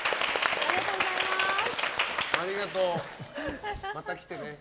ありがとう、また来てね。